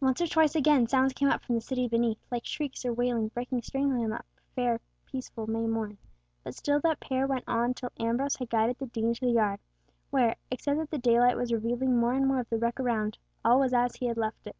Once or twice again sounds came up from the city beneath, like shrieks or wailing breaking strangely on that fair peaceful May morn; but still that pair went on till Ambrose had guided the Dean to the yard, where, except that the daylight was revealing more and more of the wreck around, all was as he had left it.